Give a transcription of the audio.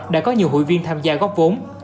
đã có nhiều hội viên tham gia góp vốn